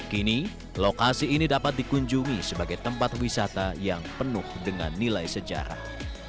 kini lokasi ini dapat dikunjungi sebagai tempat wisata yang penuh dengan nilai sejarah